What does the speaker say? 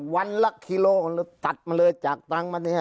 วันละกิโลตัดมาเลยจากตังค์มาเนี่ย